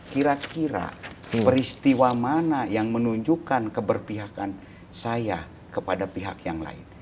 kira kira peristiwa mana yang menunjukkan keberpihakan saya kepada pihak yang lain